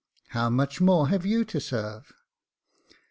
How much more have you to serve